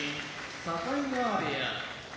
境川部屋